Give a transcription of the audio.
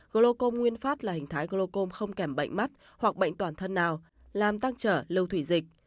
glaucom nguyên phát là hình thái glaucom không kèm bệnh mắt hoặc bệnh toàn thân nào làm tăng trở lưu thủy dịch